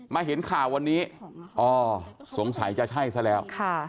เห็นข่าววันนี้อ๋อสงสัยจะใช่ซะแล้ว